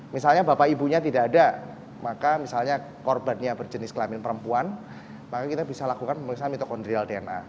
misalnya bapak ibunya tidak ada maka misalnya korbannya berjenis kelamin perempuan maka kita bisa lakukan pemeriksaan mitokondrial dna